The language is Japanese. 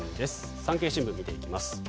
産経新聞を見ていきます。